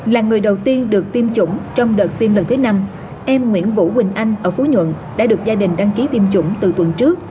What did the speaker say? là người đầu tiên được tiêm chủng trong đợt tiêm lần thứ năm em nguyễn vũ quỳnh anh ở phú nhuận đã được gia đình đăng ký tiêm chủng từ tuần trước